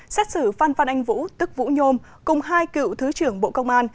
xét xử phan phan anh vũ tức vũ nhôm cùng hai cựu thứ trưởng bộ công an